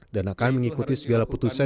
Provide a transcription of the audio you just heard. dan akan mengikuti segala putusan